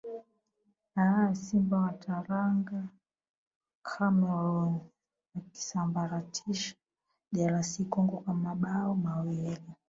aa simba wa taranga cameroon wakiwasambaratisha drc congo kwa mabao mawili